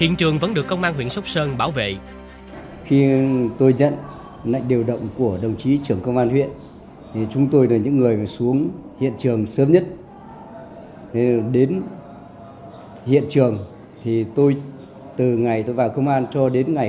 riêng anh nguyễn văn viện phải đi làm ca nên rời khỏi nhà trước đó khoảng một tiếng